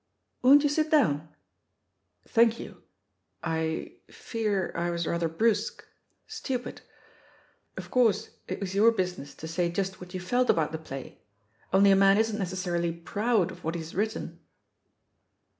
Won't you sit down?" Thank you. I — fear I was rather brusqi stupid; of course, it was your business to say just what you felt about the play. Only a man isn't necessarily 'proud' of what he has written."